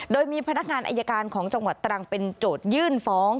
โดยมีพนักงานอายการของจังหวัดตรังเป็นโจทยื่นฟ้อง